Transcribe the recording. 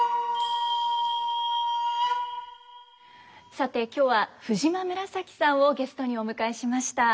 さて今日は藤間紫さんをゲストにお迎えしました。